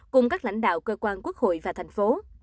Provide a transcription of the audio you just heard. cùng các lãnh đạo cơ quan quốc hội và thành phố